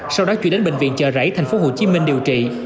sau đó chuyển đến bệnh viện chợ rẫy tp hcm điều trị